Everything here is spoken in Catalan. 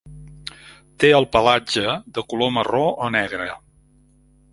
Té el pelatge de color marró o negre.